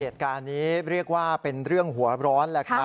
เหตุการณ์นี้เรียกว่าเป็นเรื่องหัวร้อนแหละครับ